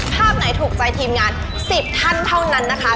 ภาพไหนถูกใจทีมงาน๑๐ท่านเท่านั้นนะคะ